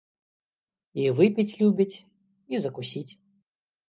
І выпіць любяць, і закусіць.